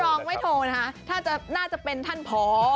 ท่านรองไม่โทรนะฮะน่าจะเป็นท่านพอ